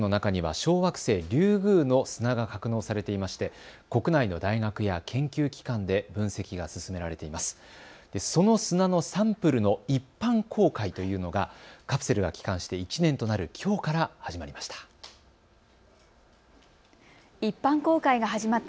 その砂のサンプルの一般公開というのがカプセルが帰還して１年となるきょうから始まりました。